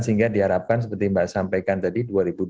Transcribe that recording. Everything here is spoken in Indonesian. sehingga diharapkan seperti mbak sampaikan tadi dua ribu dua puluh